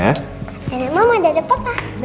dadah papa dadah sayang